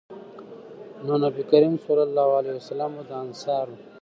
نو نبي کريم صلی الله علیه وسلّم به د انصارو